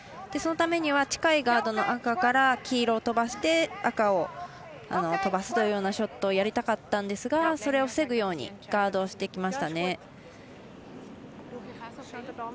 そのためには近いガードの赤から黄色を飛ばして赤を飛ばすというようなショットをやりたかったんですがそれを防ぐようにガードをしてきましたね。